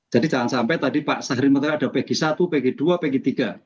jadi jangan sampai tadi pak saharimantara ada pegi satu pegi dua pegi tiga